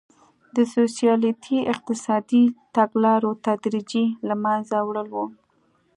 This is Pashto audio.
د سوسیالیستي اقتصادي تګلارو تدریجي له منځه وړل وو.